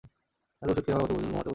তাকে ওষুধ খেয়ে ভালোমতো ঘুমাতে বলবি।